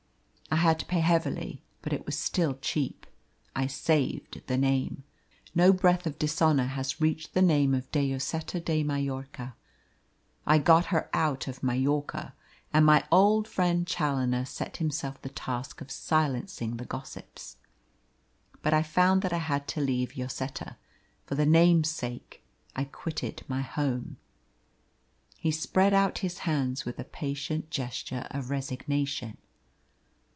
I had to pay heavily, but it was still cheap. I saved the name. No breath of dishonour has reached the name of De Lloseta de Mallorca. I got her out of Majorca, and my old friend Challoner set himself the task of silencing the gossips. But I found that I had to leave Lloseta for the name's sake I quitted my home." He spread out his hands with a patient gesture of resignation.